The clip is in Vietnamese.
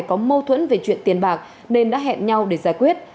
có mâu thuẫn về chuyện tiền bạc nên đã hẹn nhau để giải quyết